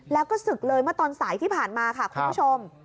แล้วก็ศึกเลยเมื่อตอนสายที่ผ่านมาค่ะคุณผู้ชม